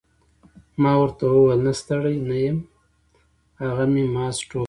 ما ورته وویل نه ستړی نه یم هغه مې محض ټوکه وکړه.